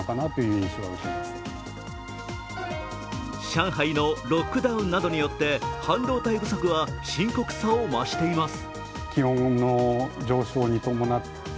上海のロックダウンなどによって半導体不足は深刻さを増しています。